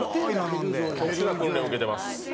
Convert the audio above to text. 特殊な訓練を受けてます。